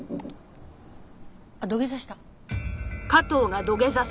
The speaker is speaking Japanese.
あっ土下座した。